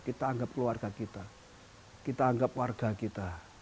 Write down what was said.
kita anggap keluarga kita kita anggap warga kita